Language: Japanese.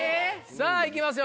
さぁいきますよ